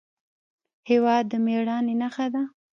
هېواد د مېړانې نښه ده.